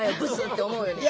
って思うよね。